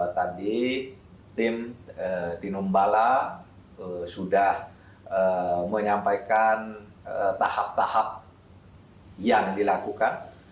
tadi tim tinombala sudah menyampaikan tahap tahap yang dilakukan